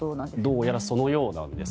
どうやらそのようです。